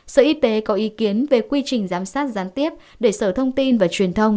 sở y tế có ý kiến về quy trình giám sát gián tiếp để sở thông tin và truyền thông